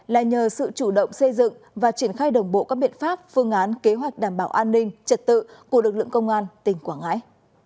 là nhờ sự chủ động xây dựng và triển khai đồng bộ các biện pháp phương án kế hoạch đảm bảo an ninh trật tự của lực lượng công an tỉnh quảng ngãi